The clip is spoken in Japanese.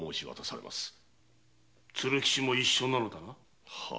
鶴吉も一緒なのだな。